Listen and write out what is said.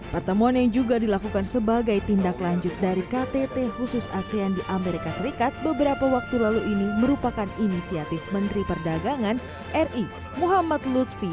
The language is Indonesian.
pertemuan yang juga dilakukan sebagai tindak lanjut dari ktt khusus asean di amerika serikat beberapa waktu lalu ini merupakan inisiatif menteri perdagangan ri muhammad lutfi